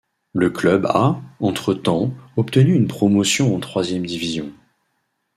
Le club a, entre-temps, obtenu une promotion en troisième division.